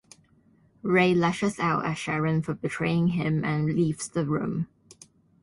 Rey lashes out at Sharon for betraying him and leaves the room.